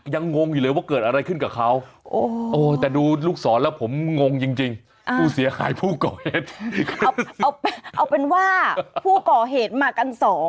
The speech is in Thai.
ยังงงอยู่เลยว่าเกิดอะไรขึ้นกับเขา